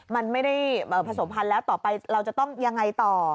มันไม่ได้ผสมพันธุ์แล้วต่อไปเราจะต้องยังไงต่อ